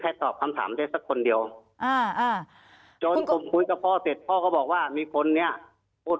แต่ผมก็พอเรียกไม่ได้ว่าใครจะเป็นคนพูด